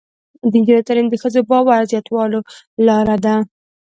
د نجونو تعلیم د ښځو باور زیاتولو لاره ده.